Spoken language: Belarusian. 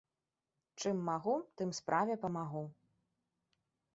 Чым магу, тым справе памагу.